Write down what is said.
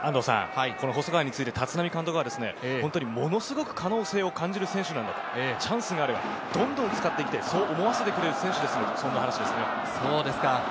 細川について立浪監督は本当にものすごく可能性を感じる選手だと、チャンスがあればどんどん使っていきたいと、そう思わせてくれる選手ですと話していました。